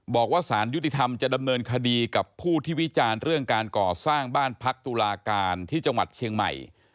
บอกว่าสารยุติธรรมจะดำเนินคดีกับผู้ที่วิจารณ์เรื่องการก่อสร้างบ้านพักตุลาการที่จังหวัดเชียงใหม่